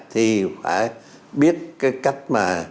thì phải biết cái cách mà